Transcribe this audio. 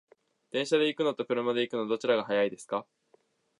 電車で行くのと車で行くの、どちらが早いですか？